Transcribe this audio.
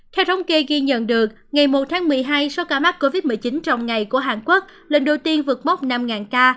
theo thống kê ghi nhận được ngày một tháng một mươi hai số ca mắc covid một mươi chín trong ngày của hàn quốc lần đầu tiên vượt mốc năm ca